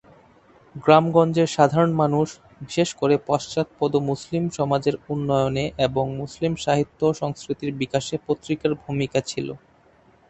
গ্রাম-গঞ্জের সাধারণ মানুষ, বিশেষ করে পশ্চাৎপদ মুসলিম সমাজের উন্নয়নে এবং মুসলিম সাহিত্য-সংস্কৃতির বিকাশে পত্রিকার ভূমিকা ছিল।